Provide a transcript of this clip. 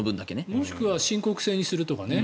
もしくは申告制にするとかね。